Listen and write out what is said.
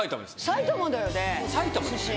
埼玉だよね出身。